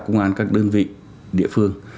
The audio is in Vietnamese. công an các đơn vị địa phương